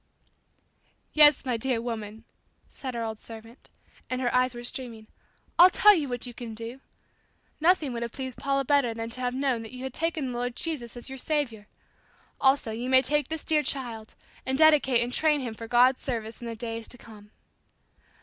"Yes, my dear woman," said our old servant and her eyes were streaming "I'll tell you what you can do. Nothing would have pleased Paula better than to have known that you had taken the Lord Jesus as your Saviour. Also you may take this dear child and dedicate and train him for God's service in the days to come."